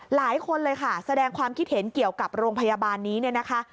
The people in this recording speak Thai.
หลายคนเลยค่ะแสดงความคิดเห็นเกี่ยวกับโรงพยาบาลนี้เนี่ยนะคะ